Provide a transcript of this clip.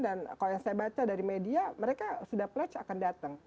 dan kalau yang saya baca dari media mereka sudah berjanji akan datang